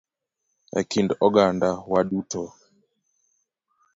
E kind oganda wa duto